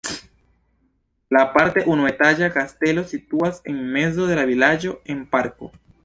La parte unuetaĝa kastelo situas en mezo de la vilaĝo en parko.